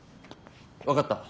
分かった。